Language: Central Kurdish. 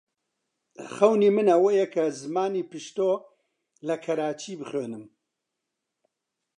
خەونی من ئەوەیە کە زمانی پەشتۆ لە کەراچی بخوێنم.